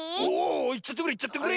いっちゃってくれいっちゃってくれ！